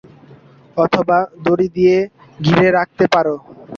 অথবা দড়ি দিয়ে ঘিরে রাখতে পারো।